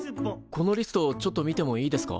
このリストちょっと見てもいいですか？